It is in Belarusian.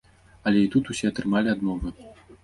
Але і тут усе атрымалі адмовы.